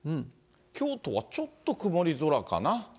京都はちょっと曇り空かな。